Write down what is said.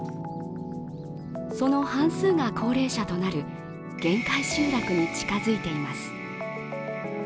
その半数が高齢者となる限界集落に近づいています。